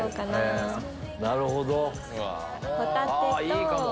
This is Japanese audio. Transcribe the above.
いいかも！